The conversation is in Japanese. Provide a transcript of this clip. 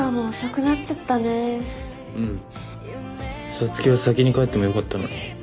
皐月は先に帰ってもよかったのに。